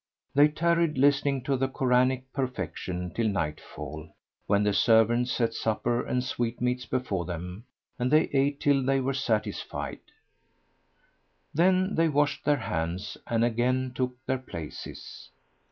They tarried listening to the Koranic perlection till nightfall, when the servants set supper and sweetmeats[FN#85] before them; and they ate till they were satisfied; then they washed their hands and again took their places.